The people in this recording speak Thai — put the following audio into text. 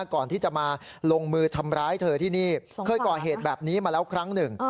ก่อนที่จะมาลงมือทำร้ายเธอที่นี่เคยก่อเหตุแบบนี้มาแล้วครั้งหนึ่ง